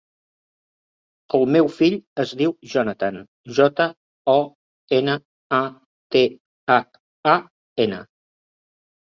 El meu fill es diu Jonathan: jota, o, ena, a, te, hac, a, ena.